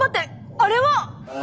あれは！